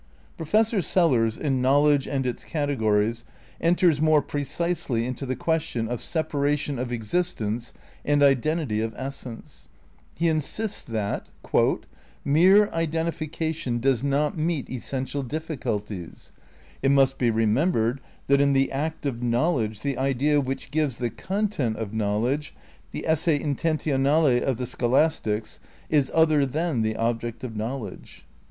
Professor Sellars in "Knowledge and its Cate gories" enters more precisely into the question of separation of existence and identity of essence. He in sists that "Mere identification does not meet essential ditiieulties. It must be remembered that, in the act of knowledge, the idea which gives the content of knowledge (the esse intentionale of the scholastics) is other than the object of knowledge."